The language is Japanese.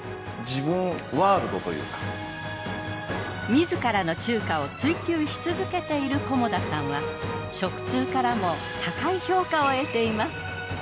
自らの中華を追求し続けている菰田さんは食通からも高い評価を得ています。